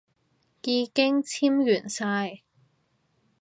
已經簽完晒